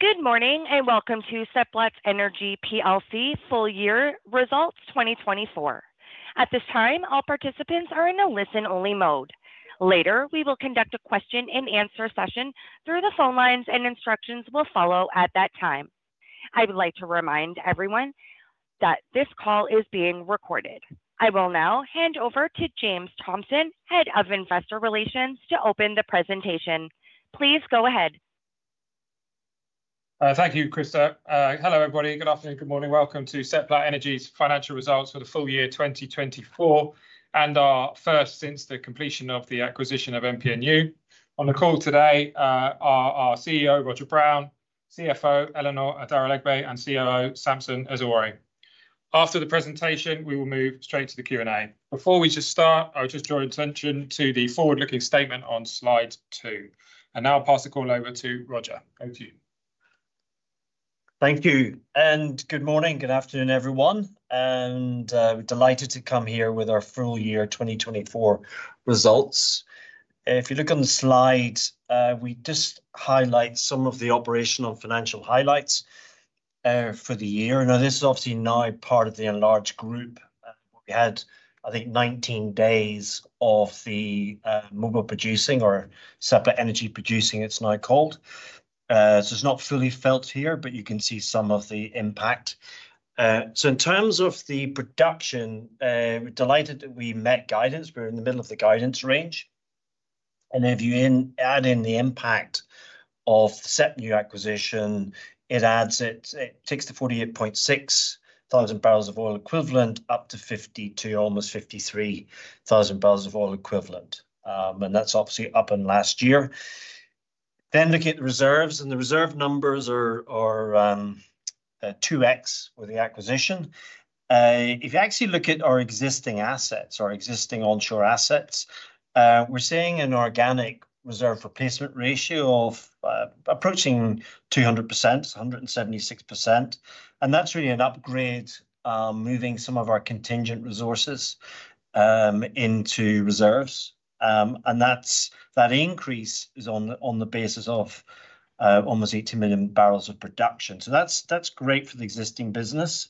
Good morning and welcome to Seplat Energy Plc. full year results 2024. At this time, all participants are in a listen-only mode. Later, we will conduct a question-and-answer session through the phone lines, and instructions will follow at that time. I would like to remind everyone that this call is being recorded. I will now hand over to James Thompson, Head of Investor Relations, to open the presentation. Please go ahead. Thank you, Krista. Hello, everybody. Good afternoon. Good morning. Welcome to Seplat Energy's financial results for the full year 2024 and our first since the completion of the acquisition of MPNU. On the call today are our CEO, Roger Brown, CFO, Eleanor Adaralegbe, and COO, Samson Ezugworie. After the presentation, we will move straight to the Q&A. Before we just start, I would just draw attention to the forward-looking statement on slide two. Now I'll pass the call over to Roger. Over to you. Thank you. Good morning. Good afternoon, everyone. We're delighted to come here with our full year 2024 results. If you look on the slide, we just highlight some of the operational financial highlights for the year. This is obviously now part of the enlarged group. We had, I think, 19 days of the Mobil Producing or Seplat Energy Producing, it's now called. It's not fully felt here, but you can see some of the impact. In terms of the production, we're delighted that we met guidance. We're in the middle of the guidance range. If you add in the impact of the Seplat new acquisition, it adds, it takes the 48,600 barrels of oil equivalent up to 52,000 almost 53,000 barrels of oil equivalent. That's obviously up in last year. Look at the reserves. The reserve numbers are 2x with the acquisition. If you actually look at our existing assets, our existing onshore assets, we're seeing an organic reserve replacement ratio of approaching 200%, 176%. That is really an upgrade moving some of our contingent resources into reserves. That increase is on the basis of almost 80 million barrels of production. That is great for the existing business.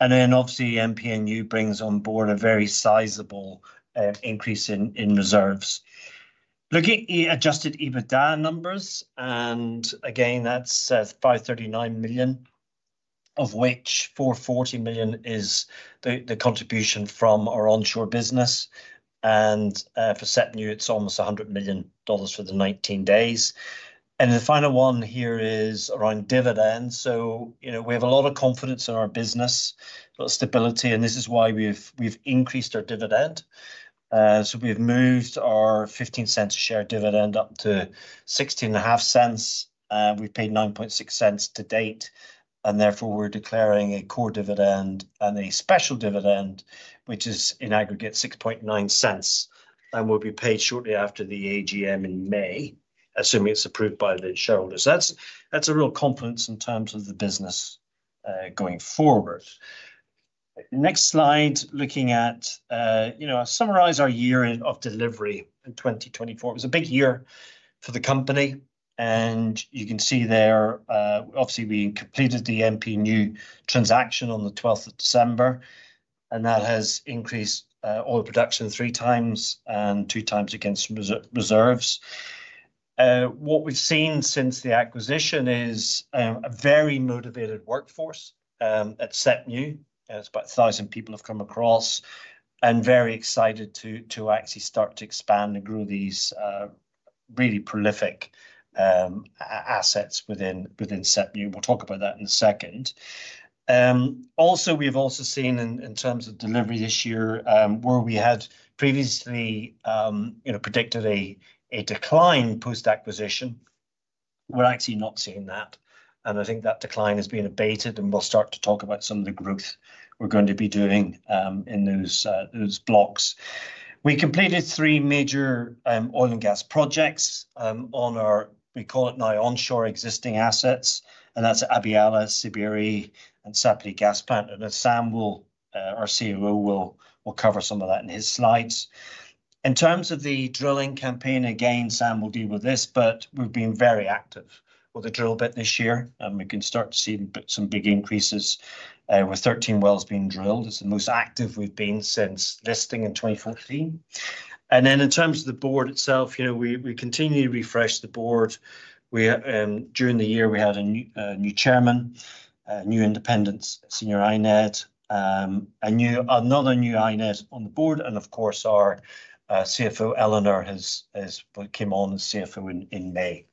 MPNU brings on board a very sizable increase in reserves. Look at the adjusted EBITDA numbers. That says $539 million, of which $440 million is the contribution from our onshore business. For Seplat, it is almost $100 million for the 19 days. The final one here is around dividends. We have a lot of confidence in our business, a lot of stability. This is why we've increased our dividend. We have moved our $0.15 a share dividend up to $0.165. We have paid $0.096 to date. Therefore, we are declaring a core dividend and a special dividend, which is in aggregate $0.069. It will be paid shortly after the AGM in May, assuming it is approved by the shareholders. That is a real confidence in terms of the business going forward. Next slide. Looking at, I will summarize our year of delivery in 2024. It was a big year for the company. You can see there, obviously, we completed the MPNU transaction on the 12th of December. That has increased oil production three times and two times against reserves. What we have seen since the acquisition is a very motivated workforce at Seplat. It's about 1,000 people have come across and very excited to actually start to expand and grow these really prolific assets within Seplat. We'll talk about that in a second. Also, we have also seen in terms of delivery this year where we had previously predicted a decline post-acquisition. We're actually not seeing that. I think that decline has been abated. We'll start to talk about some of the growth we're going to be doing in those blocks. We completed three major oil and gas projects on our, we call it now onshore existing assets. That's Abya Yala, Siberia, and Seplat Gas Plant. Sam, our COO, will cover some of that in his slides. In terms of the drilling campaign, again, Sam will deal with this, but we've been very active with the drill bit this year. We can start to see some big increases with 13 wells being drilled. It's the most active we've been since listing in 2014. In terms of the board itself, we continue to refresh the board. During the year, we had a new Chairman, a new independent senior INED, another new INED on the board. Of course, our CFO, Eleanor, came on as CFO in May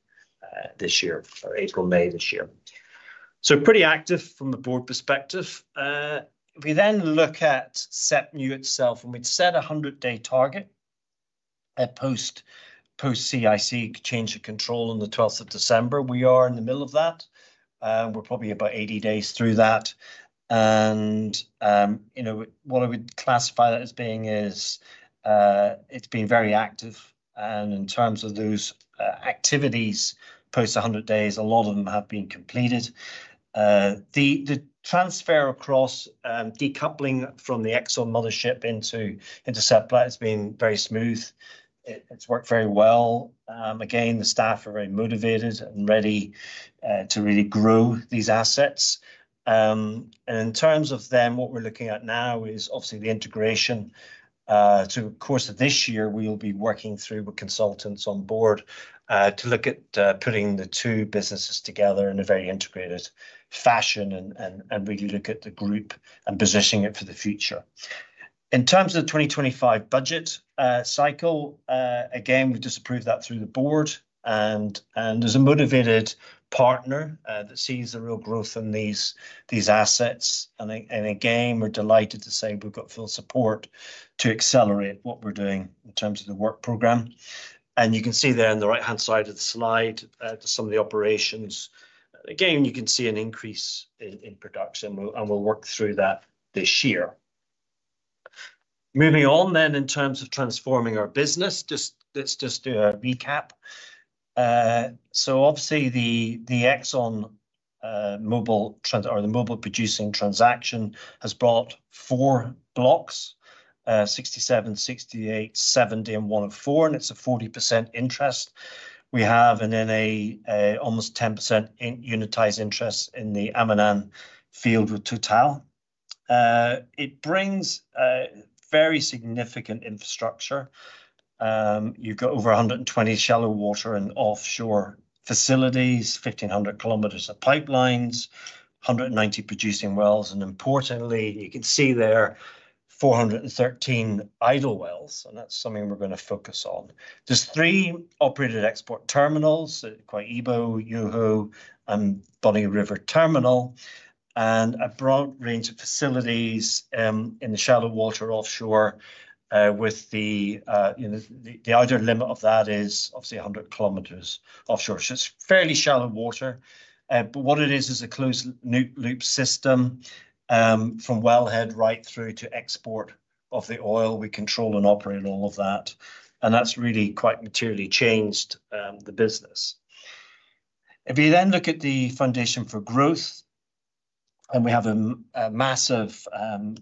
this year or April, May this year. Pretty active from the board perspective. If we then look at Seplat itself, and we'd set a 100-day target post-CIC change of control on the 12th of December, we are in the middle of that. We're probably about 80 days through that. What I would classify that as being is it's been very active. In terms of those activities post 100 days, a lot of them have been completed. The transfer across decoupling from the Exxon mothership into Seplat has been very smooth. It's worked very well. The staff are very motivated and ready to really grow these assets. In terms of them, what we're looking at now is obviously the integration. Of course, this year, we'll be working through with consultants on board to look at putting the two businesses together in a very integrated fashion and really look at the group and positioning it for the future. In terms of the 2025 budget cycle, we've just approved that through the board. There's a motivated partner that sees the real growth in these assets. We're delighted to say we've got full support to accelerate what we're doing in terms of the work program. You can see there on the right-hand side of the slide some of the operations. Again, you can see an increase in production, and we'll work through that this year. Moving on in terms of transforming our business, let's just do a recap. Obviously, the ExxonMobil or the Mobil Producing Nigeria Unlimited transaction has brought four blocks: 67, 68, 70, and 104. It's a 40% interest. We have an almost 10% unitized interest in the Amunam field with TotalEnergies. It brings very significant infrastructure. You've got over 120 shallow water and offshore facilities, 1,500 km of pipelines, 190 producing wells. Importantly, you can see there are 413 idle wells. That's something we're going to focus on. There are three operated export terminals: EBO, Yuhu, and Bonny River Terminal. There is a broad range of facilities in the shallow water offshore with the idle limit of that obviously 100 km offshore. It's fairly shallow water. What it is, is a closed loop system from wellhead right through to export of the oil. We control and operate all of that. That has really quite materially changed the business. If you then look at the foundation for growth, we have a massive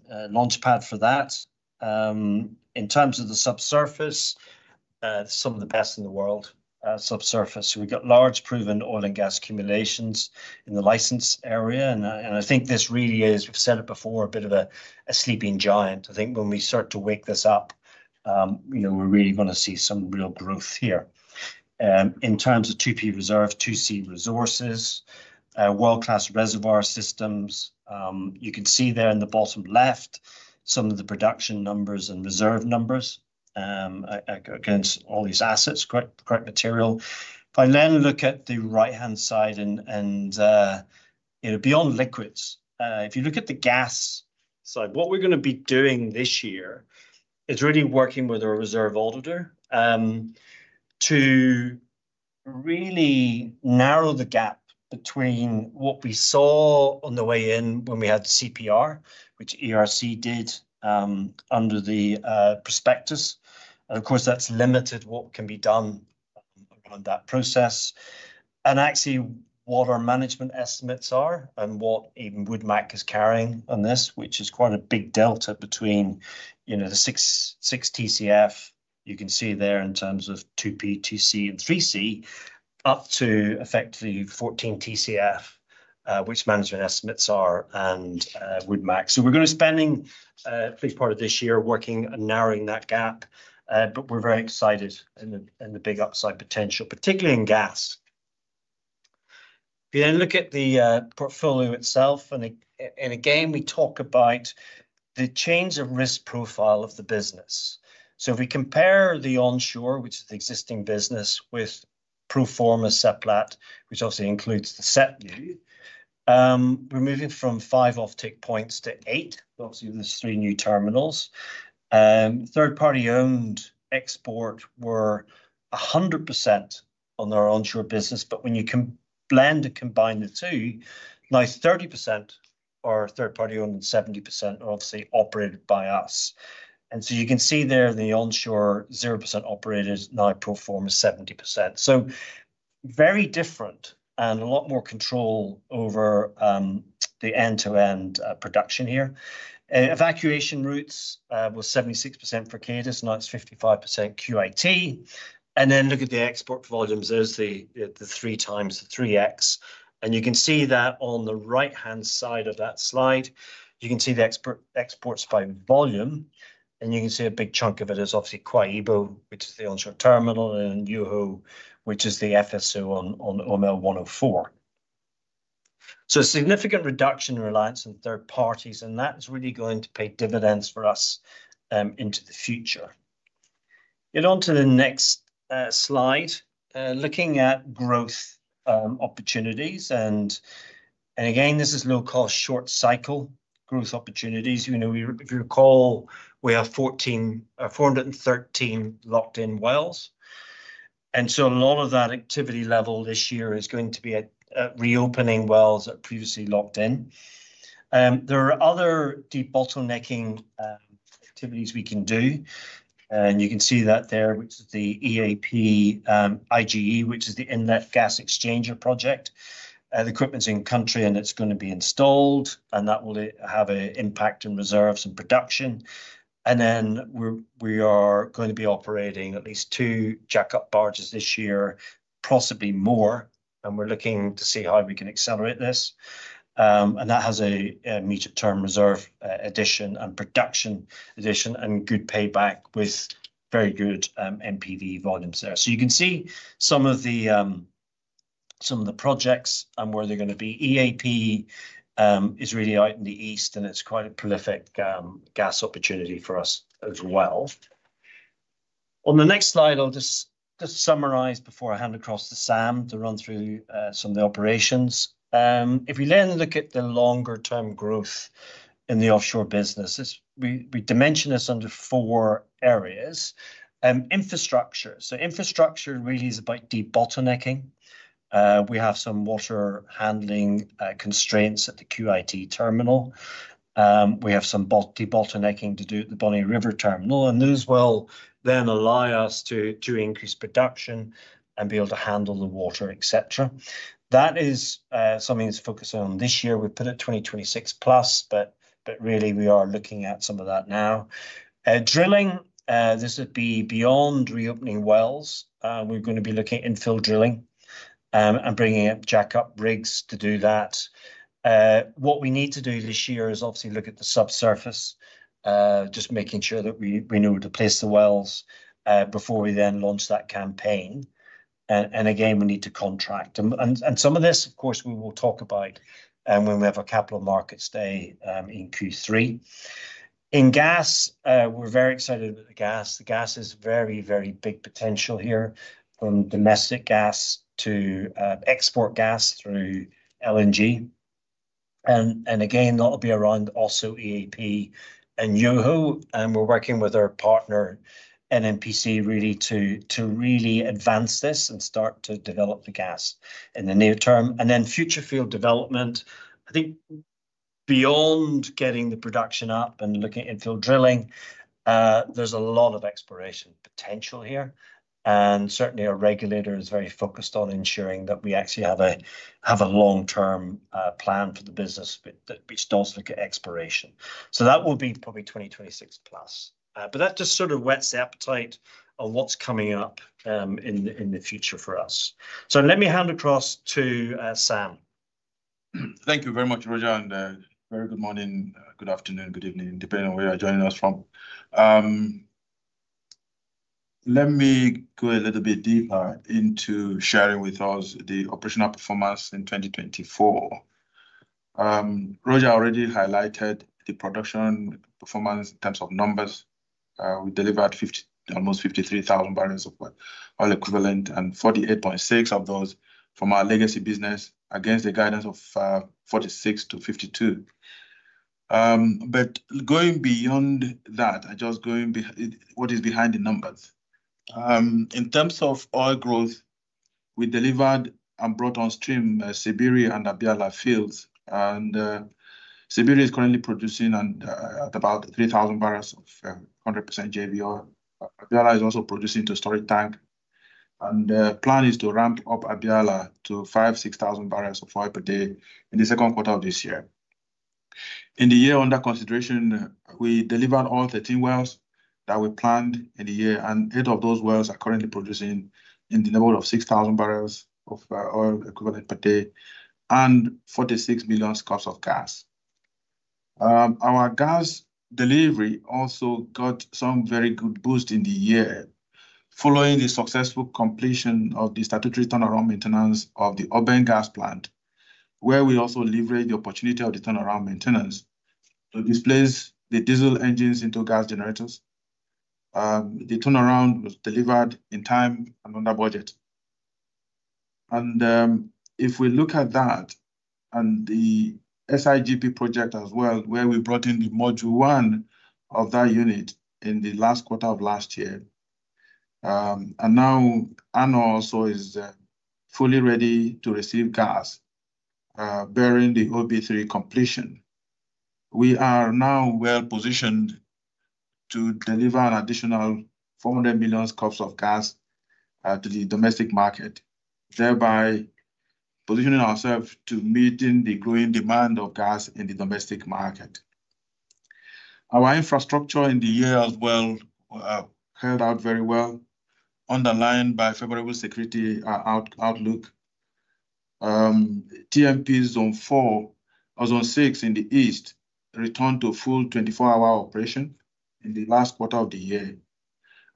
launchpad for that. In terms of the subsurface, some of the best in the world subsurface. We have large proven oil and gas accumulations in the license area. I think this really is, we have said it before, a bit of a sleeping giant. I think when we start to wake this up, we are really going to see some real growth here. In terms of 2P reserve, 2C resources, world-class reservoir systems, you can see there in the bottom left some of the production numbers and reserve numbers against all these assets, correct material. If I then look at the right-hand side and beyond liquids, if you look at the gas side, what we're going to be doing this year is really working with our reserve auditor to really narrow the gap between what we saw on the way in when we had CPR, which ERC did under the prospectus. Of course, that's limited what can be done around that process. Actually, what our management estimates are and what even Wood Mackenzie is carrying on this, which is quite a big delta between the 6 TCF you can see there in terms of 2P, 2C, and 3C up to effectively 14 TCF, which management estimates are and Wood Mackenzie. We're going to be spending a big part of this year working and narrowing that gap. We're very excited in the big upside potential, particularly in gas. If you then look at the portfolio itself, and again, we talk about the change of risk profile of the business. If we compare the onshore, which is the existing business, with Proforma Seplat, which obviously includes the Seplat, we're moving from five offtake points to eight. Obviously, there's three new terminals. Third-party-owned export were 100% on our onshore business. When you can blend and combine the two, now 30% are third-party-owned and 70% are obviously operated by us. You can see there the onshore 0% operated, now Proforma 70%. Very different and a lot more control over the end-to-end production here. Evacuation routes were 76% for Cadence, now it's 55% QIT. Look at the export volumes. There's the three times, the 3X. You can see that on the right-hand side of that slide, you can see the exports by volume. You can see a big chunk of it is obviously COI EBO, which is the onshore terminal, and Yuhu, which is the FSO on ML104. Significant reduction in reliance on third parties is really going to pay dividends for us into the future. On to the next slide, looking at growth opportunities. Again, this is low-cost, short-cycle growth opportunities. If you recall, we have 413 locked-in wells. A lot of that activity level this year is going to be at reopening wells that are previously locked in. There are other deep bottlenecking activities we can do. You can see that there, which is the EAP IGE, which is the Inlet Gas Exchanger Project. The equipment is in country, and it is going to be installed. That will have an impact on reserves and production. We are going to be operating at least two jack-up barges this year, possibly more. We are looking to see how we can accelerate this. That has a meter term reserve addition and production addition and good payback with very good MPV volumes there. You can see some of the projects and where they are going to be EAP is really out in the east, and it is quite a prolific gas opportunity for us as well. On the next slide, I will just summarize before I hand across to Sam to run through some of the operations. If we then look at the longer-term growth in the offshore businesses, we dimension this under four areas. Infrastructure. Infrastructure really is about deep bottlenecking. We have some water handling constraints at the QIT terminal. We have some deep bottlenecking to do at the Bonny River terminal. Those will then allow us to increase production and be able to handle the water, etc. That is something that's focused on this year. We put it 2026 plus, but really, we are looking at some of that now. Drilling. This would be beyond reopening wells. We're going to be looking at infill drilling and bringing up jack-up rigs to do that. What we need to do this year is obviously look at the subsurface, just making sure that we know to place the wells before we then launch that campaign. Again, we need to contract. Some of this, of course, we will talk about when we have a capital markets day in Q3. In gas, we're very excited with the gas. The gas has very, very big potential here from domestic gas to export gas through LNG. That will be around also EAP and Yuhu. We are working with our partner NNPC to really advance this and start to develop the gas in the near term. Future field development, I think beyond getting the production up and looking at infill drilling, there is a lot of exploration potential here. Certainly, our regulator is very focused on ensuring that we actually have a long-term plan for the business, which does look at exploration. That will be probably 2026 plus. That just sort of whets the appetite of what is coming up in the future for us. Let me hand across to Sam. Thank you very much, Roger. Very good morning, good afternoon, good evening, depending on where you are joining us from. Let me go a little bit deeper into sharing with us the operational performance in 2024. Roger already highlighted the production performance in terms of numbers. We delivered almost 53,000 barrels of oil equivalent and 48.6 of those from our legacy business against the guidance of 46-52. Going beyond that, what is behind the numbers? In terms of oil growth, we delivered and brought on stream Siberia and Abya Yala fields. Siberia is currently producing at about 3,000 barrels of 100% JV oil. Abya Yala is also producing to storage tank. The plan is to ramp up Abya Yala to 5,000-6,000 barrels of oil per day in the second quarter of this year. In the year under consideration, we delivered all 13 wells that we planned in the year. Eight of those wells are currently producing in the level of 6,000 barrels of oil equivalent per day and 46 million scfd of gas. Our gas delivery also got some very good boost in the year following the successful completion of the statutory turnaround maintenance of the Oben Gas Plant, where we also leveraged the opportunity of the turnaround maintenance to displace the diesel engines into gas generators. The turnaround was delivered in time and under budget. If we look at that and the SIGP project as well, where we brought in the module one of that unit in the last quarter of last year. Now ANOH also is fully ready to receive gas bearing the OB3 completion. We are now well positioned to deliver an additional 400 million scfd of gas to the domestic market, thereby positioning ourselves to meet the growing demand of gas in the domestic market. Our infrastructure in the year as well held out very well, underlined by favorable security outlook. TFP zone four or zone six in the east returned to full 24-hour operation in the last quarter of the year.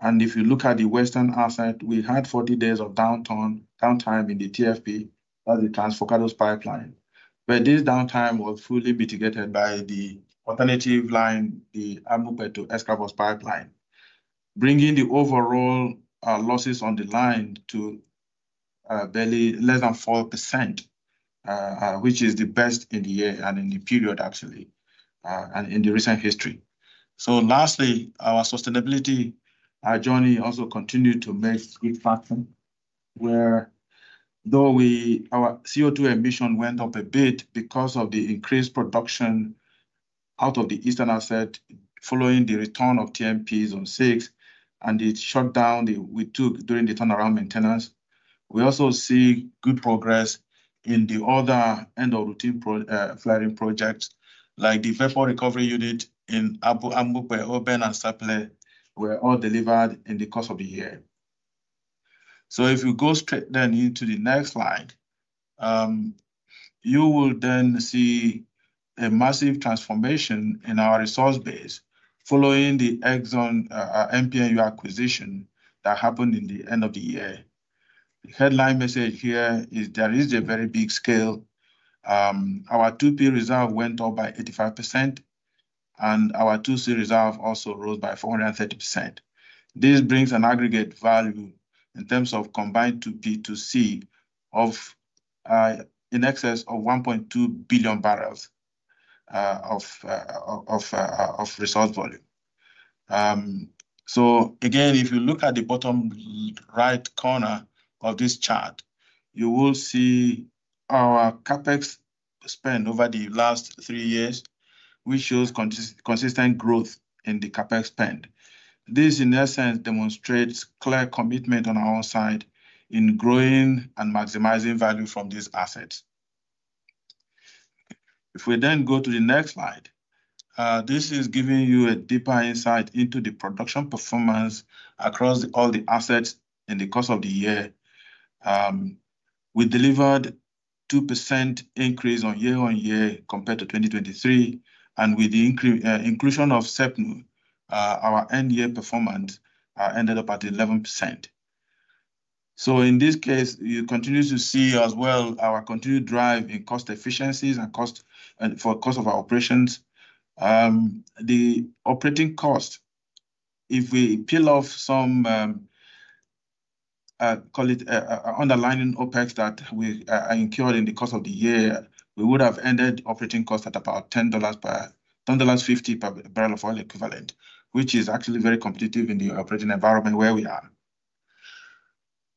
If you look at the western asset, we had 40 days of downtime in the TFP at the Trans Forcados pipeline, where this downtime was fully mitigated by the alternative line, the Amukpe-Escraos pipeline, bringing the overall losses on the line to barely less than 4%, which is the best in the year and in the period, actually, and in the recent history. Lastly, our sustainability journey also continued to make good traction, where though our CO2 emission went up a bit because of the increased production out of the eastern asset following the return of TMP zone six and the shutdown we took during the turnaround maintenance, we also see good progress in the other end-of-routine flaring projects like the VEPO recovery unit in Amukpe, Oben, and Seplat, where all delivered in the course of the year. If you go straight then into the next slide, you will then see a massive transformation in our resource base following the ExxonMobil acquisition that happened in the end of the year. The headline message here is there is a very big scale. Our 2P reserve went up by 85%, and our 2C reserve also rose by 430%. This brings an aggregate value in terms of combined 2P to 2C of in excess of 1.2 billion barrels of resource volume. If you look at the bottom right corner of this chart, you will see our CAPEX spend over the last three years, which shows consistent growth in the CapEx spend. This, in essence, demonstrates clear commitment on our side in growing and maximizing value from these assets. If we then go to the next slide, this is giving you a deeper insight into the production performance across all the assets in the course of the year. We delivered a 2% increase year-on-year compared to 2023. With the inclusion of SEPNU, our end-year performance ended up at 11%. In this case, you continue to see as well our continued drive in cost efficiencies and for cost of our operations. The operating cost, if we peel off some, call it underlying OpEx that we incurred in the course of the year, we would have ended operating costs at about $10.50 per barrel of oil equivalent, which is actually very competitive in the operating environment where we are.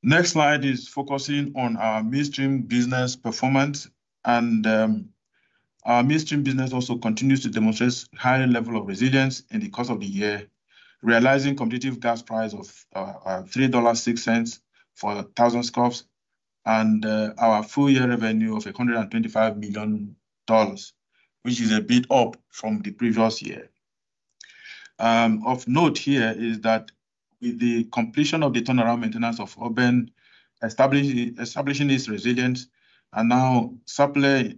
Next slide is focusing on our midstream business performance. Our midstream business also continues to demonstrate a high level of resilience in the course of the year, realizing competitive gas price of $3.06 for 1,000 scfd and our full-year revenue of $125 million, which is a bit up from the previous year. Of note here is that with the completion of the turnaround maintenance of Oben, establishing its resilience, and now Seplat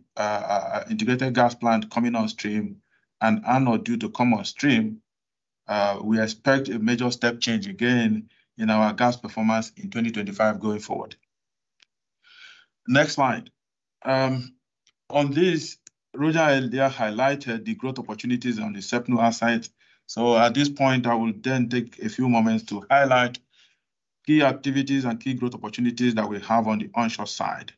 Integrated Gas Plant coming on stream and ANOH due to come on stream, we expect a major step change again in our gas performance in 2025 going forward. Next slide. On this, Roger Brown highlighted the growth opportunities on the SEPNU asset. At this point, I will then take a few moments to highlight key activities and key growth opportunities that we have on the onshore side.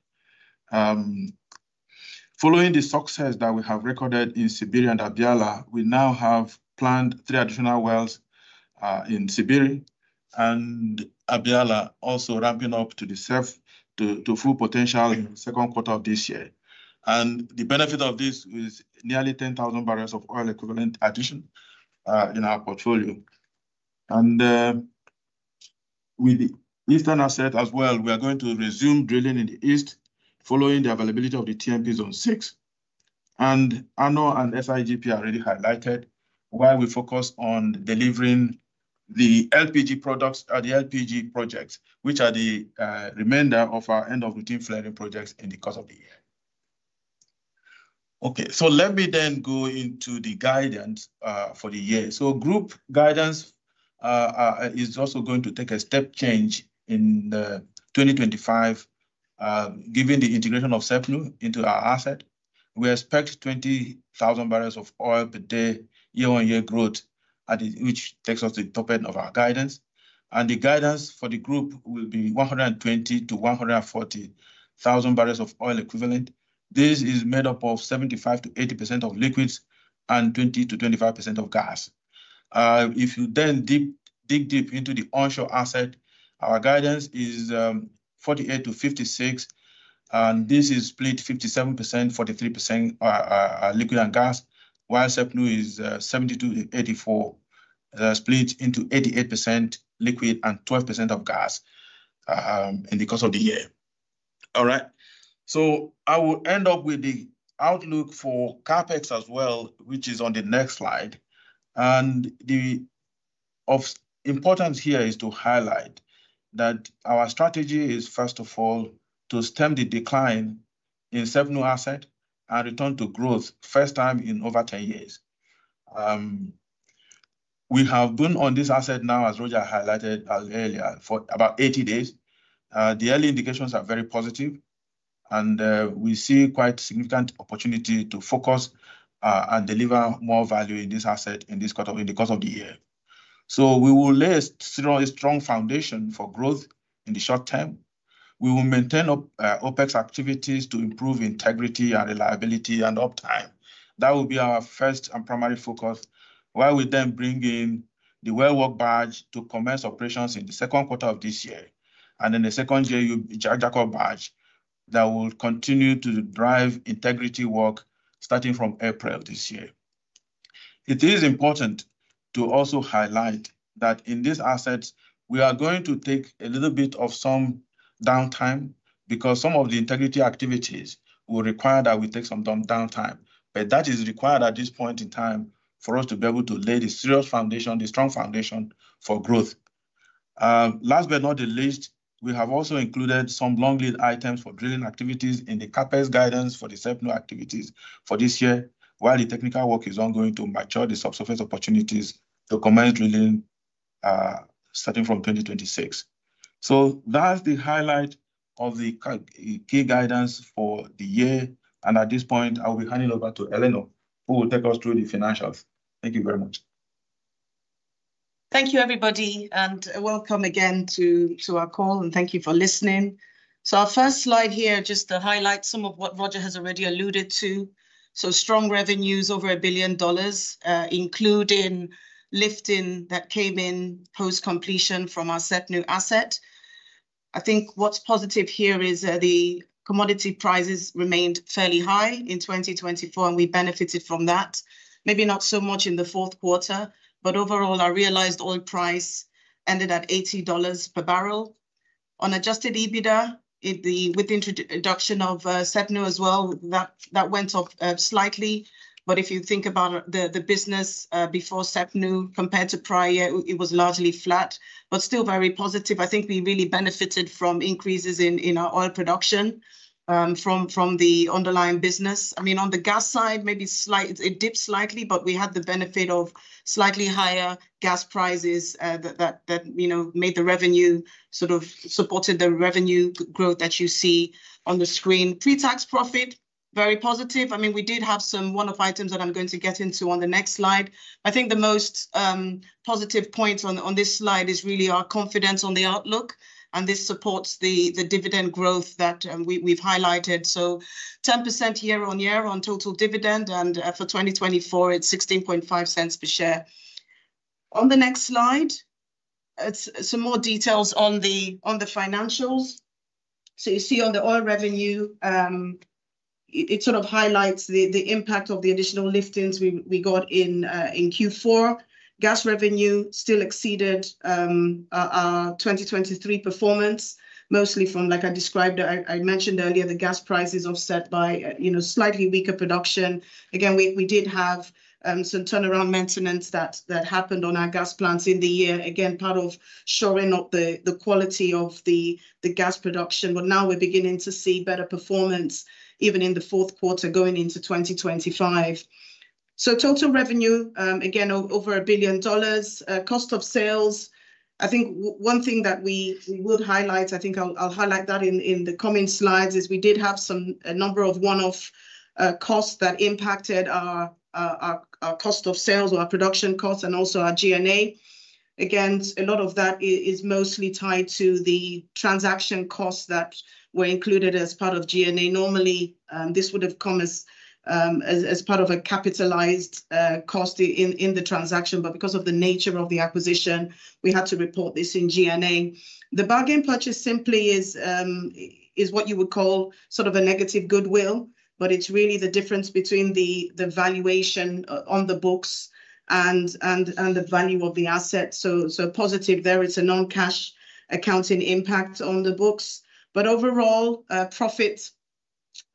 Following the success that we have recorded in Siberia and Abya Yala, we now have planned three additional wells in Siberia and Abya Yala also ramping up to full potential in the second quarter of this year. The benefit of this is nearly 10,000 barrels of oil equivalent addition in our portfolio. With the eastern asset as well, we are going to resume drilling in the east following the availability of the TMP zone six. Anna and SIGP already highlighted why we focus on delivering the LPG products or the LPG projects, which are the remainder of our end-of-routine flaring projects in the course of the year. Okay. Let me then go into the guidance for the year. Group guidance is also going to take a step change in 2025, given the integration of SEPNU into our asset. We expect 20,000 barrels of oil per day, year-on-year growth, which takes us to the top end of our guidance. The guidance for the group will be 120,000-140,000 barrels of oil equivalent. This is made up of 75%-80% of liquids and 20%-25% of gas. If you then dig deep into the onshore asset, our guidance is 48,000-56,000. This is split 57%, 43% liquid and gas, while SEPNU is 72,000-84,000, split into 88% liquid and 12% of gas in the course of the year. All right. I will end up with the outlook for CAPEX as well, which is on the next slide. The importance here is to highlight that our strategy is, first of all, to stem the decline in SEPNU asset and return to growth first time in over 10 years. We have been on this asset now, as Roger highlighted earlier, for about 80 days. The early indications are very positive. We see quite a significant opportunity to focus and deliver more value in this asset in the course of the year. We will lay a strong foundation for growth in the short term. We will maintain OPEX activities to improve integrity and reliability and uptime. That will be our first and primary focus, while we then bring in the Well Work badge to commence operations in the second quarter of this year. In the second year, there will be Jack Jackal badge that will continue to drive integrity work starting from April this year. It is important to also highlight that in this asset, we are going to take a little bit of some downtime because some of the integrity activities will require that we take some downtime. That is required at this point in time for us to be able to lay the serious foundation, the strong foundation for growth. Last but not the least, we have also included some long lead items for drilling activities in the CapEx guidance for the SEPNU activities for this year, while the technical work is ongoing to mature the subsurface opportunities to commence drilling starting from 2026. That is the highlight of the key guidance for the year. At this point, I'll be handing over to Eleanor, who will take us through the financials. Thank you very much. Thank you, everybody. Welcome again to our call. Thank you for listening. Our first slide here, just to highlight some of what Roger has already alluded to. Strong revenues, over $1 billion, including lifting that came in post-completion from our SEPNU asset. I think what is positive here is the commodity prices remained fairly high in 2024, and we benefited from that. Maybe not so much in the fourth quarter, but overall, our realized oil price ended at $80 per barrel. On adjusted EBITDA, with the introduction of SEPNU as well, that went up slightly. If you think about the business before SEPNU, compared to prior year, it was largely flat, but still very positive. I think we really benefited from increases in our oil production from the underlying business. I mean, on the gas side, maybe it dipped slightly, but we had the benefit of slightly higher gas prices that made the revenue sort of supported the revenue growth that you see on the screen. Pre-tax profit, very positive. I mean, we did have some one-off items that I'm going to get into on the next slide. I think the most positive points on this slide is really our confidence on the outlook. This supports the dividend growth that we've highlighted. 10% year-on-year on total dividend. For 2024, it's $0.165 per share. On the next slide, some more details on the financials. You see on the oil revenue, it sort of highlights the impact of the additional liftings we got in Q4. Gas revenue still exceeded our 2023 performance, mostly from, like I described, I mentioned earlier, the gas prices offset by slightly weaker production. Again, we did have some turnaround maintenance that happened on our gas plants in the year, again, part of showing up the quality of the gas production. Now we're beginning to see better performance even in the fourth quarter going into 2025. Total revenue, again, over $1 billion. Cost of sales, I think one thing that we would highlight, I think I'll highlight that in the coming slides, is we did have a number of one-off costs that impacted our cost of sales or our production costs and also our G&A. A lot of that is mostly tied to the transaction costs that were included as part of G&A. Normally, this would have come as part of a capitalized cost in the transaction. Because of the nature of the acquisition, we had to report this in G&A. The bargain purchase simply is what you would call sort of a negative goodwill, but it is really the difference between the valuation on the books and the value of the asset. Positive there, it is a non-cash accounting impact on the books. Overall, profit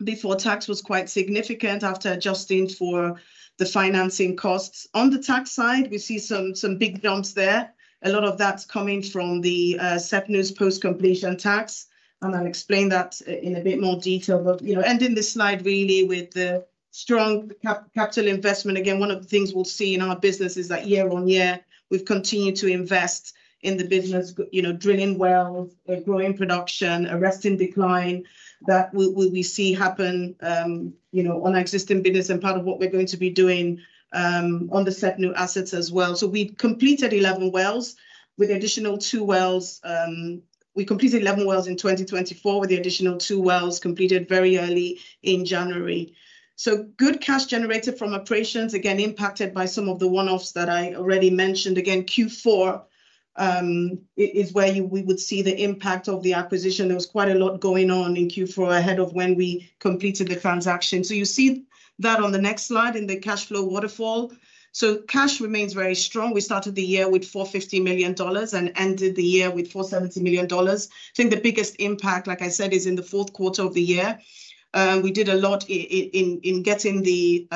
before tax was quite significant after adjusting for the financing costs. On the tax side, we see some big jumps there. A lot of that is coming from SEPNU's post-completion tax. I will explain that in a bit more detail. Ending this slide really with the strong capital investment. Again, one of the things we'll see in our business is that year-on-year, we've continued to invest in the business, drilling wells, growing production, arresting decline that we see happen on our existing business and part of what we're going to be doing on the SEPNU assets as well. We completed 11 wells with additional two wells. We completed 11 wells in 2024 with the additional two wells completed very early in January. Good cash generated from operations, again, impacted by some of the one-offs that I already mentioned. Q4 is where we would see the impact of the acquisition. There was quite a lot going on in Q4 ahead of when we completed the transaction. You see that on the next slide in the cash flow waterfall. Cash remains very strong. We started the year with $450 million and ended the year with $470 million. I think the biggest impact, like I said, is in the fourth quarter of the year. We did a lot in getting the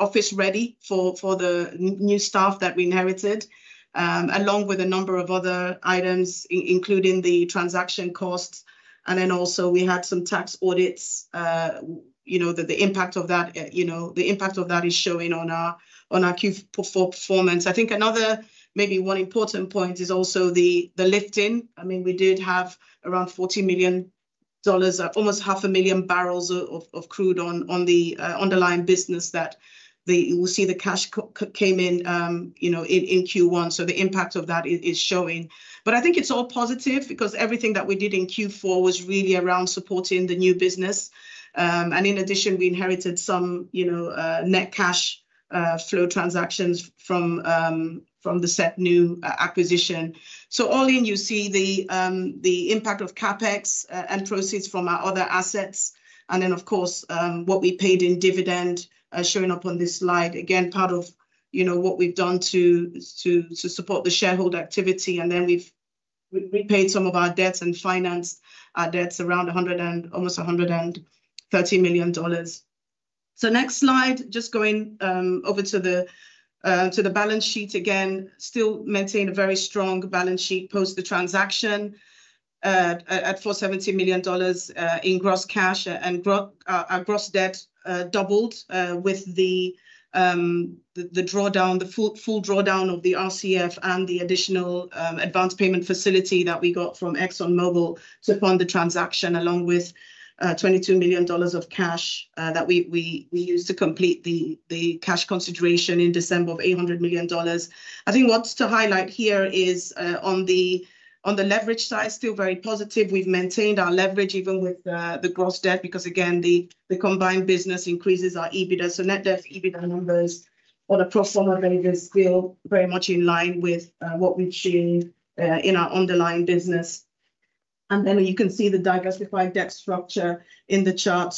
office ready for the new staff that we inherited, along with a number of other items, including the transaction costs. Also, we had some tax audits. The impact of that, the impact of that is showing on our Q4 performance. I think another, maybe one important point is also the lifting. I mean, we did have around $40 million, almost 500,000 barrels of crude on the underlying business that we see the cash came in in Q1. The impact of that is showing. I think it's all positive because everything that we did in Q4 was really around supporting the new business. In addition, we inherited some net cash flow transactions from the SEPNU acquisition. All in, you see the impact of CapEx and proceeds from our other assets. Of course, what we paid in dividend is showing up on this slide. Again, part of what we've done to support the shareholder activity. We paid some of our debts and financed our debts around almost $130 million. Next slide, just going over to the balance sheet again, still maintain a very strong balance sheet post-transaction at $470 million in gross cash. Our gross debt doubled with the drawdown, the full drawdown of the RCF and the additional advance payment facility that we got from ExxonMobil to fund the transaction, along with $22 million of cash that we used to complete the cash consideration in December of $800 million. I think what's to highlight here is on the leverage side, still very positive. We've maintained our leverage even with the gross debt because, again, the combined business increases our EBITDA. Net debt EBITDA numbers on a pro forma basis feel very much in line with what we've seen in our underlying business. You can see the diversified debt structure in the chart.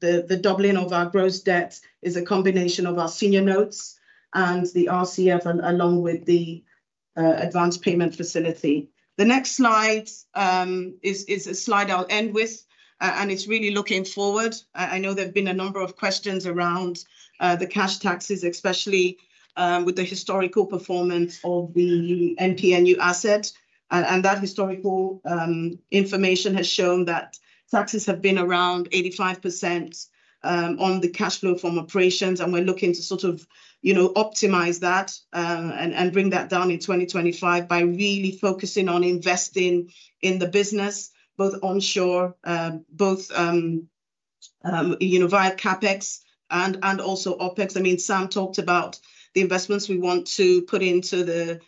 The doubling of our gross debt is a combination of our senior notes and the RCF, along with the advance payment facility. The next slide is a slide I'll end with. It's really looking forward. I know there've been a number of questions around the cash taxes, especially with the historical performance of the MPNU asset. That historical information has shown that taxes have been around 85% on the cash flow from operations. We're looking to sort of optimize that and bring that down in 2025 by really focusing on investing in the business, both onshore, both via CapEx and also OpEx. I mean, Sam talked about the investments we want to put into the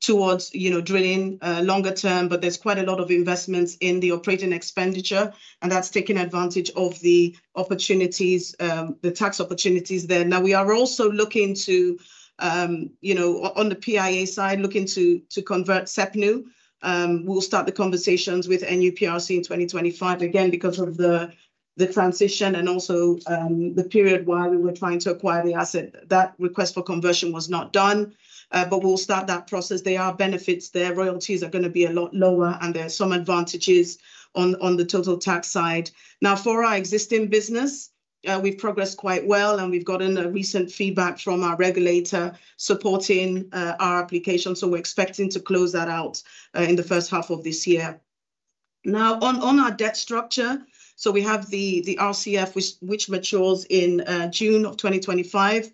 towards drilling longer term, but there's quite a lot of investments in the operating expenditure. That's taking advantage of the tax opportunities there. Now, we are also looking to, on the PIA side, looking to convert SEPNU. We'll start the conversations with NUPRC in 2025, again, because of the transition and also the period while we were trying to acquire the asset. That request for conversion was not done, but we'll start that process. There are benefits there. Royalties are going to be a lot lower, and there are some advantages on the total tax side. Now, for our existing business, we've progressed quite well, and we've gotten recent feedback from our regulator supporting our application. We are expecting to close that out in the first half of this year. On our debt structure, we have the RCF, which matures in June of 2025.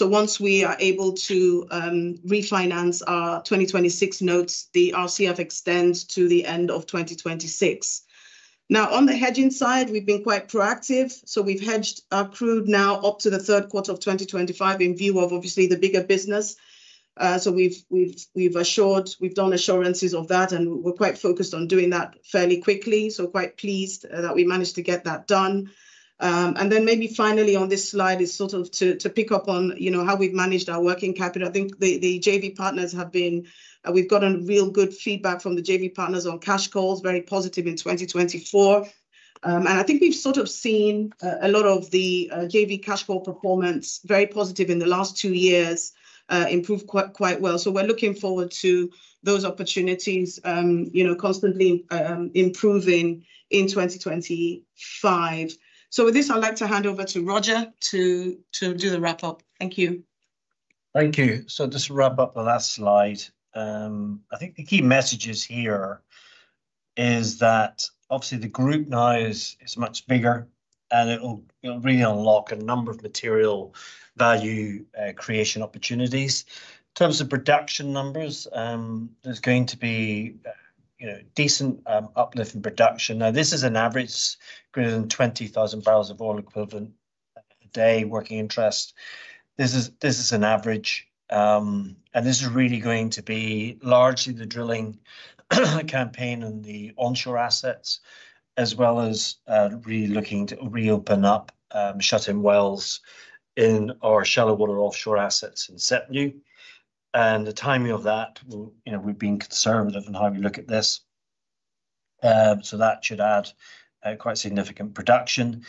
Once we are able to refinance our 2026 notes, the RCF extends to the end of 2026. On the hedging side, we've been quite proactive. We've hedged our crude now up to the third quarter of 2025 in view of, obviously, the bigger business. We've assured, we've done assurances of that, and we're quite focused on doing that fairly quickly. Quite pleased that we managed to get that done. Maybe finally on this slide is sort of to pick up on how we've managed our working capital. I think the JV partners have been, we've gotten real good feedback from the JV partners on cash calls, very positive in 2024. I think we've sort of seen a lot of the JV cash call performance very positive in the last two years, improved quite well. We are looking forward to those opportunities constantly improving in 2025. With this, I'd like to hand over to Roger to do the wrap-up. Thank you. Thank you. Just to wrap up the last slide, I think the key messages here is that, obviously, the group now is much bigger, and it'll really unlock a number of material value creation opportunities. In terms of production numbers, there's going to be decent uplift in production. Now, this is an average greater than 20,000 barrels of oil equivalent a day working interest. This is an average. This is really going to be largely the drilling campaign on the onshore assets, as well as really looking to reopen up shut-in wells in our shallow water offshore assets in SEPNU. The timing of that, we've been conservative in how we look at this. That should add quite significant production.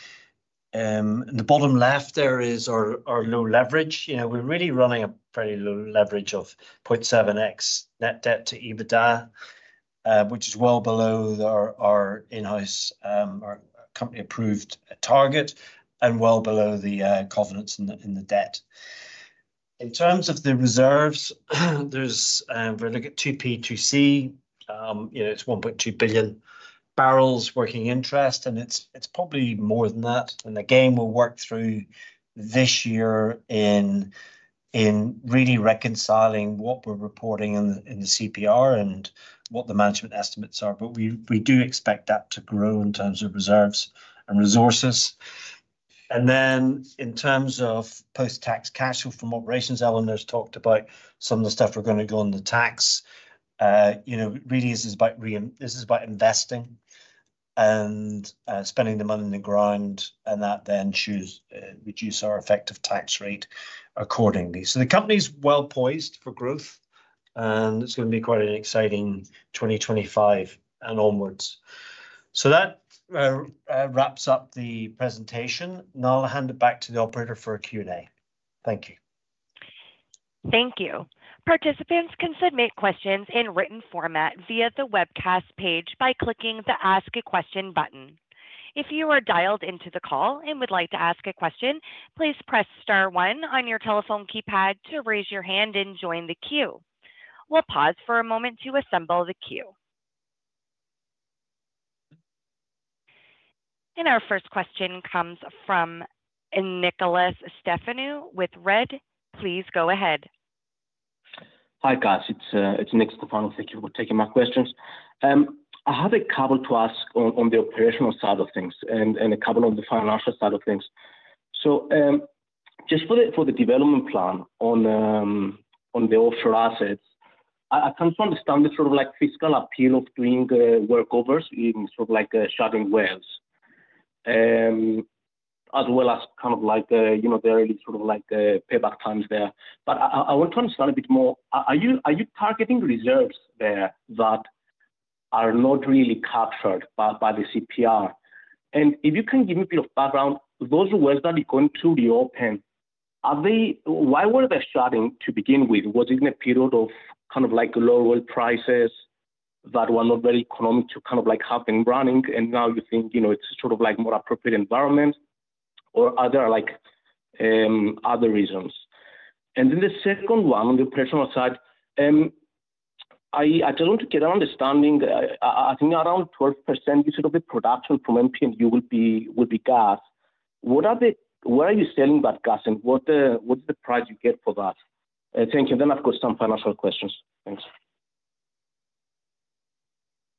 In the bottom left, there is our low leverage. We're really running a fairly low leverage of 0.7x net debt to EBITDA, which is well below our in-house or company-approved target and well below the covenants in the debt. In terms of the reserves, we're looking at 2P2C. It's 1.2 billion barrels working interest, and it's probably more than that. The game will work through this year in really reconciling what we're reporting in the CPR and what the management estimates are. We do expect that to grow in terms of reserves and resources. In terms of post-tax cash from operations, Eleanor has talked about some of the stuff we are going to go on the tax. Really, this is about investing and spending the money in the ground, and that then should reduce our effective tax rate accordingly. The company is well poised for growth, and it is going to be quite an exciting 2025 and onwards. That wraps up the presentation. Now I will hand it back to the operator for a Q&A. Thank you. Thank you. Participants can submit questions in written format via the webcast page by clicking the Ask a Question button. If you are dialed into the call and would like to ask a question, please press *1 on your telephone keypad to raise your hand and join the queue. We will pause for a moment to assemble the queue. Our first question comes from Nikolas Stefanou with Redd. Please go ahead. Hi, guys. It's Nikolas Stefanou taking my questions. I have a couple to ask on the operational side of things and a couple on the financial side of things. Just for the development plan on the offshore assets, I can sort of understand the sort of fiscal appeal of doing workovers in sort of like shutting wells, as well as kind of like the early sort of like payback times there. I want to understand a bit more. Are you targeting reserves there that are not really captured by the CPR? If you can give me a bit of background, those wells that are going to reopen, why were they shutting to begin with? Was it in a period of kind of like low oil prices that were not very economic to kind of like have been running, and now you think it's sort of like more appropriate environment, or are there other reasons? The second one on the operational side, I just want to get an understanding. I think around 12% sort of the production from SEPNU will be gas. Where are you selling that gas, and what is the price you get for that? Thank you. Of course, some financial questions.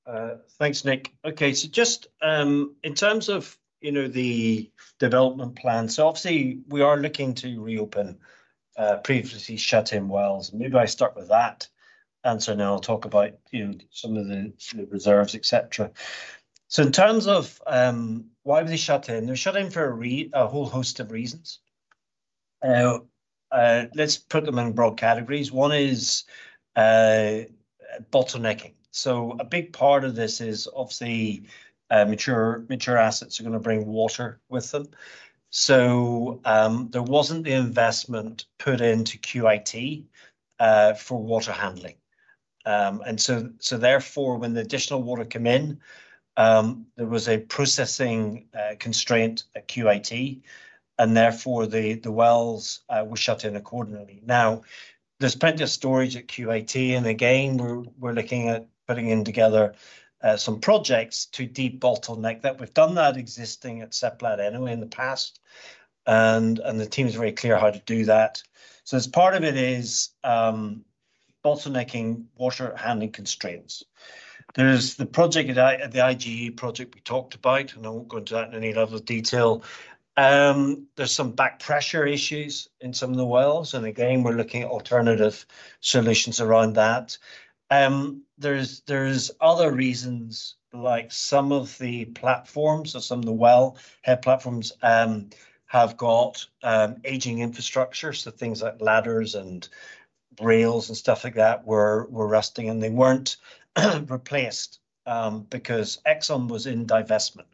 Thanks. Thanks, Nick. Okay. Just in terms of the development plan, obviously, we are looking to reopen previously shut-in wells. Maybe I start with that, and now I'll talk about some of the reserves, etc. In terms of why we shut in, we shut in for a whole host of reasons. Let's put them in broad categories. One is bottlenecking. A big part of this is obviously mature assets are going to bring water with them. There was not the investment put into QIT for water handling. Therefore, when the additional water came in, there was a processing constraint at QIT, and therefore, the wells were shut in accordingly. There is plenty of storage at QIT, and again, we are looking at putting in together some projects to de-bottleneck that. We have done that existing at Seplat anyway in the past, and the team is very clear how to do that. Part of it is bottlenecking water handling constraints. There is the project, the IGE project we talked about, and I will not go into that in any level of detail. There are some back pressure issues in some of the wells, and again, we are looking at alternative solutions around that. are other reasons, like some of the platforms, or some of the wellhead platforms have got aging infrastructure. Things like ladders and rails and stuff like that were rusting, and they were not replaced because Exxon was in divestment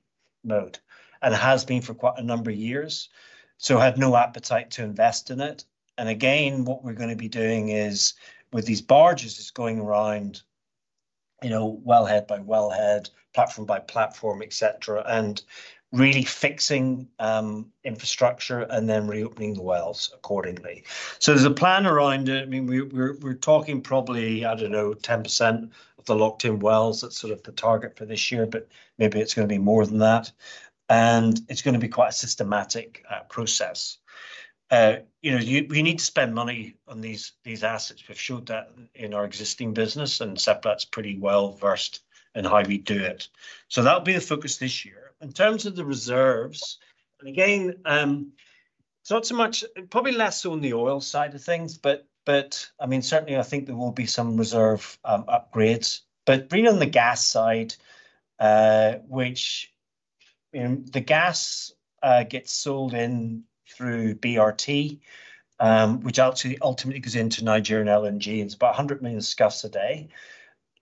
mode and has been for quite a number of years, so had no appetite to invest in it. What we are going to be doing with these barges is going around wellhead by wellhead, platform by platform, etc., and really fixing infrastructure and then reopening the wells accordingly. There is a plan around it. I mean, we are talking probably, I do not know, 10% of the locked-in wells, that is sort of the target for this year, but maybe it is going to be more than that. It is going to be quite a systematic process. We need to spend money on these assets. We've showed that in our existing business, and Seplat's pretty well versed in how we do it. That'll be the focus this year. In terms of the reserves, and again, it's not so much, probably less on the oil side of things, but I mean, certainly, I think there will be some reserve upgrades. Really on the gas side, which the gas gets sold in through BRT, which ultimately goes into Nigerian LNG. It's about 100 million scuffs a day.